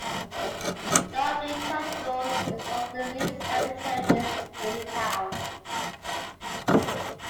Dunblane Cathedral is one of at least seven churches in the town.